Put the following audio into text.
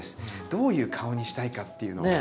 どういう顔にしたいかっていうのを。